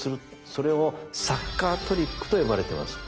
それを「サッカートリック」と呼ばれてます。